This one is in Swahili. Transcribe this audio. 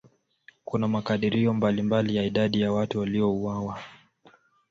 Kuna makadirio mbalimbali ya idadi ya watu waliouawa.